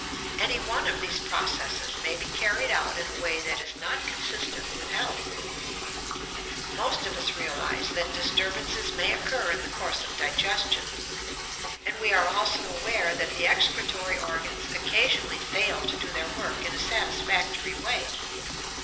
Any one of these processes may be carried out in a way that is not consistent with health. Most of us realize that disturbances may occur in the course of digestion, and we are also aware that the excretory organs occasionally fail to do their work in a satisfactory way.